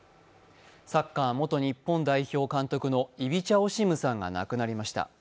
サッカー元日本代表監督のイビチャ・オシムさんが亡くなりました。